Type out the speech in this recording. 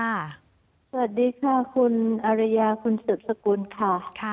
สวัสดีค่ะคุณอริยาคุณสืบสกุลค่ะ